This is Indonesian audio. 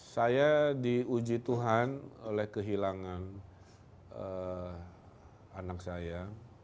saya diuji tuhan oleh kehilangan anak saya